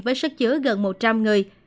với sức chứa gần một trăm linh người